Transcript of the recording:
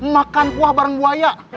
makan kuah bareng buaya